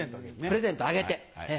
プレゼントあげてね。